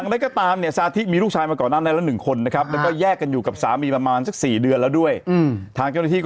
แต่ผมไม่รู้แงงพี่ข่าวเป็นอย่างนี้